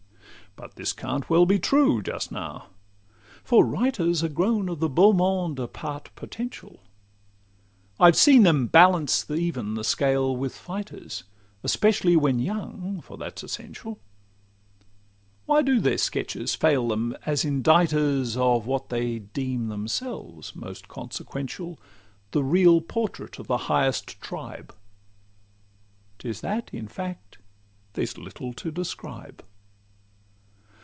But this can't well be true, just now; for writers Are grown of the beau monde a part potential: I've seen them balance even the scale with fighters, Especially when young, for that 's essential. Why do their sketches fail them as inditers Of what they deem themselves most consequential, The real portrait of the highest tribe? 'Tis that, in fact, there's little to describe.